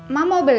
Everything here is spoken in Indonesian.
mak mau beli